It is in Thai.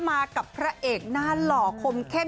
มากับพระเอกหน้าหล่อคมเข้ม